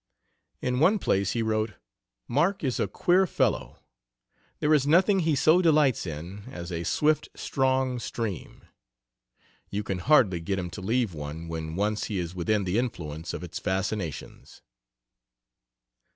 In one place he wrote: "Mark is a queer fellow. There is nothing he so delights in as a swift, strong stream. You can hardly get him to leave one when once he is within the influence of its fascinations."